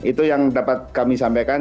itu yang dapat kami sampaikan